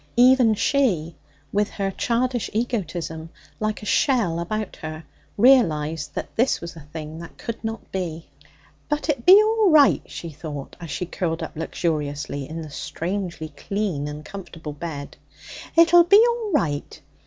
Even she, with her childish egotism like a shell about her, realized that this was a thing that could not be. 'But it be all right,' she thought, as she curled up luxuriously in the strangely clean and comfortable bed, 'it'll be all right.